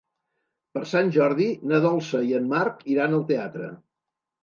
Per Sant Jordi na Dolça i en Marc iran al teatre.